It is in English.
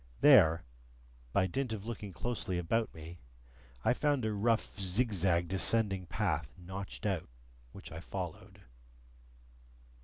There, by dint of looking closely about me, I found a rough zigzag descending path notched out, which I followed.